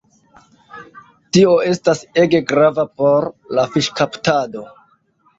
Tio estas ege grava por la fiŝkaptado.